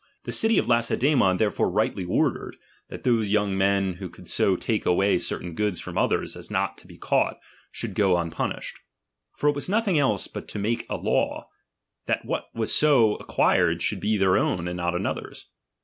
The city of Lacedfemon therefore rightly ordered, that those young men who could so take away certain goods from others as not to be caught, should go unpunished ; for it was nothing else but to make a law, that what was so acquired should be their own, and not another's.